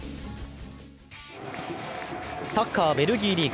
サッカー・ベルギーリーグ。